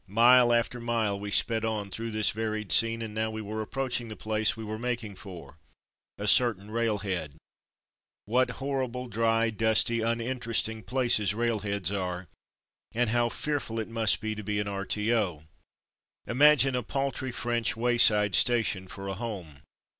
Mile after mile we sped on through this varied scene, and now we were approach no From Mud to Mufti ing the place we were making for — a certain railhead. What horrible dry, dusty, un interesting places railheads are, and how fearful it must be to be an R.T.O. ! Imagine a paltry French wayside station for a home.